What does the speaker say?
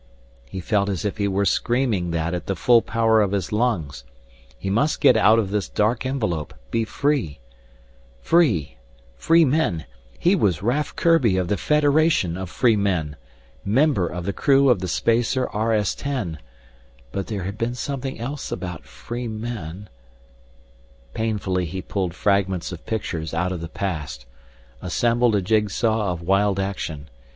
he felt as if he were screaming that at the full power of his lungs. He must get out of this dark envelope, be free. Free! Free Men He was Raf Kurbi of the Federation of Free Men, member of the crew of the Spacer RS 10. But there had been something else about free men Painfully he pulled fragments of pictures out of the past, assembled a jigsaw of wild action.